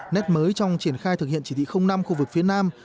nét mới trong triển khai thực hiện chỉ thị năm khu vực phía nam